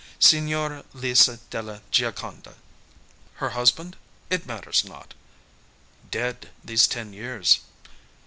"Signora Lisa della Gioconda." "Her husband? It matters not." "Dead these ten years."